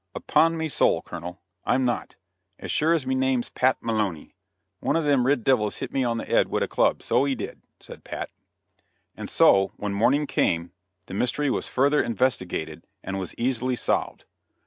"Upon me sowl, Colonel, I'm not; as shure ez me name's Pat Maloney, one of thim rid divils hit me on the head wid a club, so he did," said Pat; and so, when morning came, the mystery was further investigated and was easily solved.